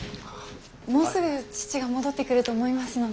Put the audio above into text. もうすぐ義父が戻ってくると思いますので。